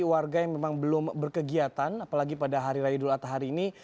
warga yang memang belum berkegiatan apalagi pada hari raya idul adha hari ini